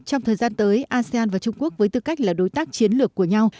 trong thời gian tới asean và trung quốc với tư cách là đối tác chiến lược của nhau